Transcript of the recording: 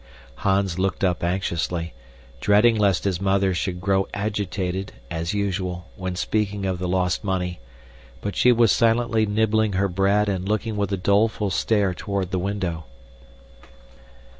Hans looked up anxiously, dreading lest his mother should grow agitated, as usual, when speaking of the lost money, but she was silently nibbling her bread and looking with a doleful stare toward the window.